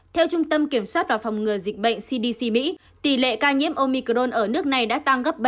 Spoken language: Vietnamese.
theo trung tâm kiểm soát và phòng ngừa dịch bệnh cdc mỹ tỷ lệ ca nhiễm omicron ở nước này đã tăng gấp ba